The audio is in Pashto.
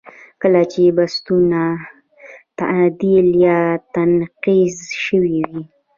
کله چې بستونه تعدیل یا تنقیض شوي وي.